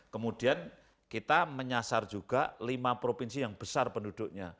kemudian kita menyasar juga lima provinsi yang besar penduduknya